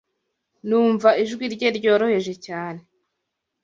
Numva ijwi rye ryoroheje cyane